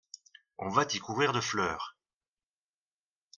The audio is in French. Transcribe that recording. On va t'y couvrir de fleurs.